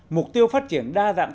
mục tiêu phát triển đa dạng